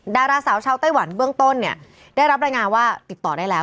ดาราสาวชาวไต้หวันเบื้องต้นเนี่ยได้รับรายงานว่าติดต่อได้แล้ว